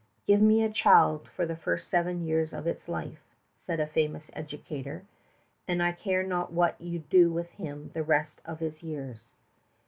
"Give me a child for the first seven years of its life," said a famous educator, "and I care not what you do with him the rest of his years."